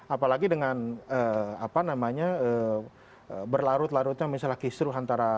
apalagi dengan berlarut larutnya misalnya kisru antara